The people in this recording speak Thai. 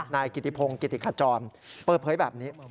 นายกิติพงศ์กิติขจรเปิดเผยแบบนี้